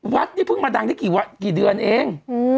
วัดนี่เพิ่งมาดังได้กี่เดือนเอง